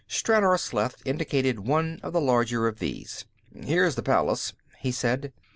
Stranor Sleth indicated one of the larger of these. "Here's the palace," he said.